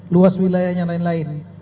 luas wilayahnya lain lain